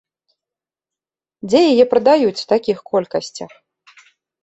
Дзе яе прадаюць у такіх колькасцях?